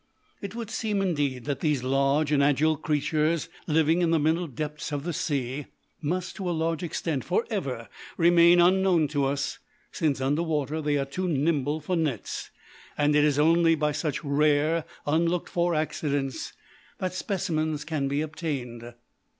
It would seem, indeed, that these large and agile creatures, living in the middle depths of the sea, must, to a large extent, for ever remain unknown to us, since under water they are too nimble for nets, and it is only by such rare unlooked for accidents that specimens can be obtained.